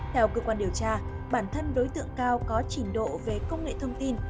theo cơ quan điều tra bản thân đối tượng cao có trình độ về công nghệ thông tin